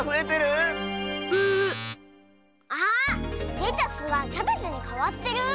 レタスがキャベツにかわってる？